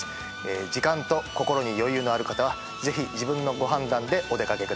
時間と心に余裕のある方はぜひ自分のご判断でお出掛けください。